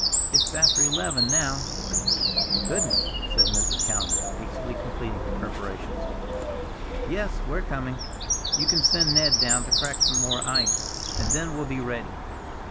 "It's after eleven now." "Goodness!" said Mrs. Callender, hastily completing her preparations. "Yes! we're coming. You can send Ned down now to crack some more ice, and then we'll be ready."